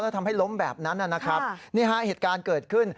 แล้วทำให้ล้มแบบนั้นนะครับนี่ฮะเหตุการณ์เกิดขึ้น